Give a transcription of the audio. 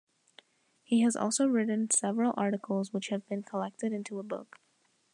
He has also written several articles which have been collected into a book.